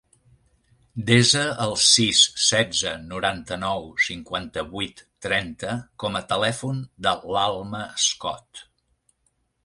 Desa el sis, setze, noranta-nou, cinquanta-vuit, trenta com a telèfon de l'Alma Scott.